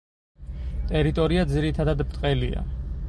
ტერიტორია ძირითადად ბრტყელია.